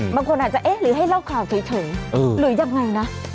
บางคนอาจจะเอ๊ะหรือให้เล่าข่าวเฉยหรือยังไงนะ